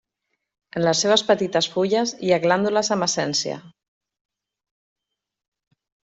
En les seves petites fulles hi ha glàndules amb essència.